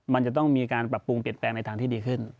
มันจะต้องมีการปรับปรุงเปลี่ยนแปลงในทางที่ดีขึ้น